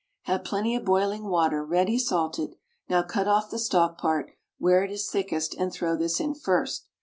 Have plenty of boiling water ready salted, now cut off the stalk part where it is thickest and throw this in first.